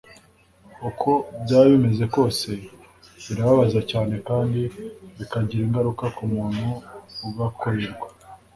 uko byaba bimeze kose birababaza cyane kandi bikagira ingaruka ku muntu ugakorerwa